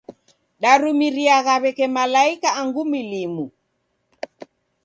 Darumiriagha w'eke malaika angu milimu.